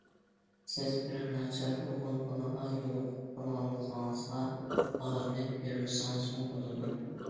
سىز بىر ناچار ئوغۇل بالىغا يولۇقۇپ قالغانلىقىڭىزغا ئاغرىنىپ يۈرمىسىڭىزمۇ بولىدۇ.